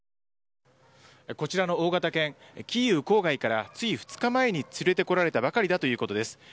こちらの大型犬キーウ郊外からつい２日前に連れてこられたばかりだということです。